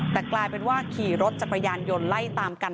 แต่กลายเป็นว่าขี่รถจักรยานยนต์ไล่ตามกัน